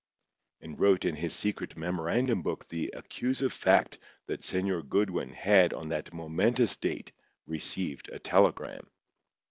and wrote in his secret memorandum book the accusive fact that Señor Goodwin had on that momentous date received a telegram.